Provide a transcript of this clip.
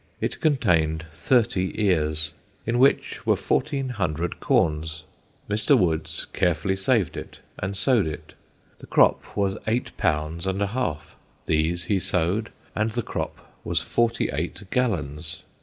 It contained thirty ears, in which were fourteen hundred corns. Mr. Woods carefully saved it and sowed it. The crop was eight pounds and a half. These he sowed, and the crop was forty eight gallons.